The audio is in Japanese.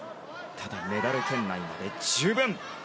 ただ、メダル圏内までは十分。